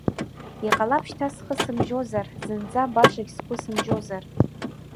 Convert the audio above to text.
Иҟалап шьҭа схы сымжьозар, зынӡа башагь сгәы сымжьозар.